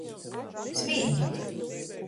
Svīdit!